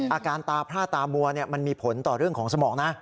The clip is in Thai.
อาการตาพร่าตามัวมันมีผลต่อเรื่องของสมองนะ